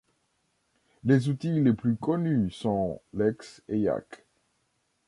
Les outils les plus connus sont Lex et Yacc.